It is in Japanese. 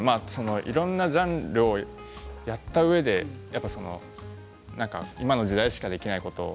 いろんなジャンルをやったうえで今の時代しかできないことを